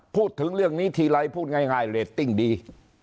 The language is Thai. พูดถึงเรื่องนี้ทีไรพูดง่ายเรตติ้งดี